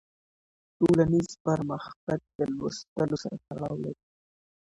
ټولنيز پرمختګ د لوستلو سره تړاو لري.